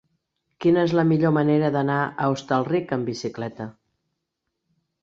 Quina és la millor manera d'anar a Hostalric amb bicicleta?